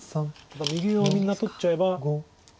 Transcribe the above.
ただ右上をみんな取っちゃえば。